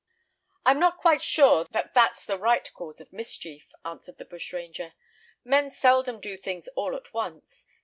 "I am not quite sure that that's the right cause of mischief," answered the bushranger. "Men seldom do things all at once.